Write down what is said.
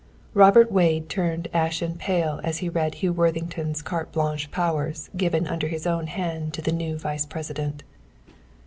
Robert Wade turned ashen pale as he read Hugh Worthington's carte blanche powers given under his own hand to the new vice president.